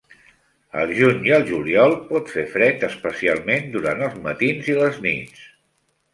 Al juny i al juliol pot fer fred, especialment durant els matins i les nits.